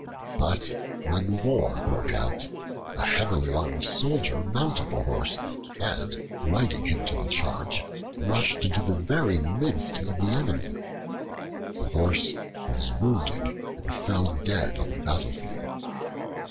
But when war broke out, a heavily armed soldier mounted the Horse, and riding him to the charge, rushed into the very midst of the enemy. The Horse was wounded and fell dead on the battlefield.